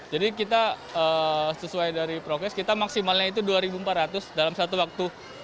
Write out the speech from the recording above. jadi kita sesuai dari progres kita maksimalnya itu dua empat ratus dalam satu waktu